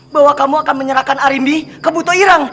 bahwa kamu akan menyerahkan arimbi ke butoirang